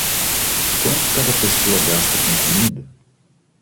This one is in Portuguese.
Quanto cada pessoa gasta com comida?